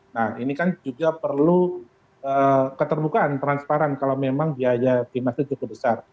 nah ini kan juga perlu keterbukaan transparan kalau memang biaya timnas itu cukup besar